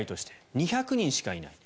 ２００人しかいない。